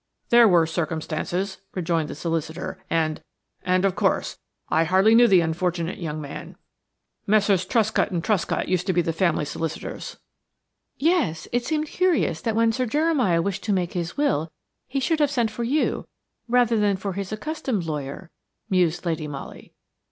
"There were circumstances–" rejoined the solicitor, "and–and, of course, I hardly knew the unfortunate young man. Messrs. Truscott and Truscott used to be the family solicitors." "Yes. It seemed curious that when Sir Jeremiah wished to make his will he should have sent for you, rather than for his accustomed lawyer," mused Lady Molly.